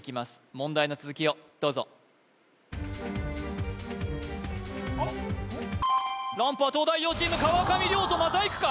問題の続きをどうぞランプは東大王チーム川上諒人またいくか？